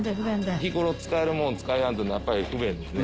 日頃使えるもんが使えやんっていうのはやっぱり不便ですね。